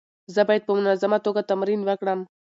زه باید په منظمه توګه تمرین وکړم.